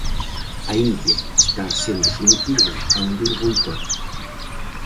A illa está sendo sometida a un duro boicot.